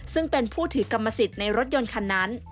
ซึ่งเป็นผู้ถือกรรมสิทธิ์ในรถยนต์คันนั้น